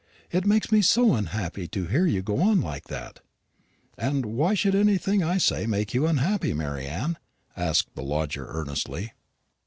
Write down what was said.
"It makes me so unhappy to hear you go on like that." "And why should anything that I say make you unhappy, Mary Anne?" asked the lodger earnestly.